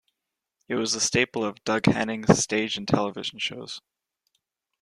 It was a staple of Doug Henning's stage and television shows.